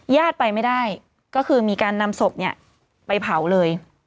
ญาติไปไม่ได้ก็คือมีการนำศพเนี่ยไปเผาเลย